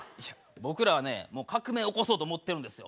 僕らはねもう革命起こそうと思ってるんですよ。